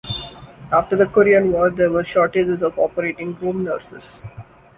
After the Korean War there were shortages of operating room nurses.